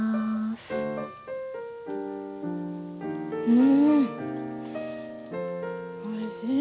うんおいしい！